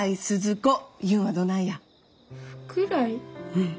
うん。